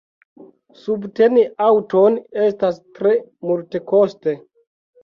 Subteni aŭton estas tre multekoste.